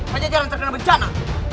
hanya jangan terkena bencana